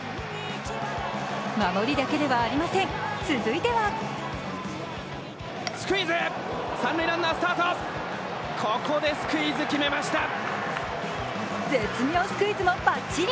守りだけではありません続いては絶妙スクイズもバッチリ。